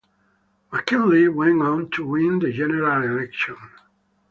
McKinley went on to win the general election.